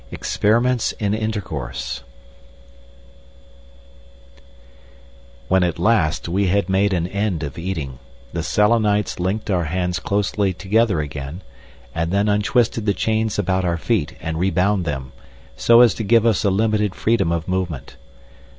Experiments in intercourse When at last we had made an end of eating, the Selenites linked our hands closely together again, and then untwisted the chains about our feet and rebound them, so as to give us a limited freedom of movement.